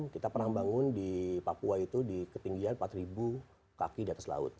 kita pernah membangun di papua itu di ketinggian empat kaki di atas laut